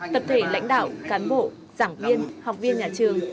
tập thể lãnh đạo cán bộ giảng viên học viên nhà trường